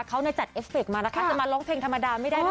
เขาจัดเอฟเฟคมานะคะจะมาร้องเพลงธรรมดาไม่ได้เลย